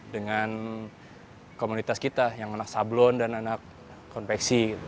dengan komunitas kita yang anak sablon dan anak konveksi